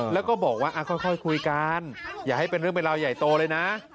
แล้วก็บอกว่าค่อยคุยกันอย่าให้เป็นเรื่องเป็นราวใหญ่โตเลยนะ